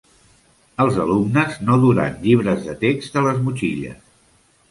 Els alumnes no duran llibres de text a les motxilles.